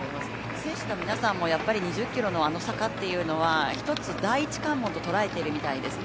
選手の皆さんも２０キロのあの坂っていうのは１つ第１関門ととらえているみたいですね。